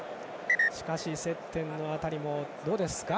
しかし接点の激しさどうですか？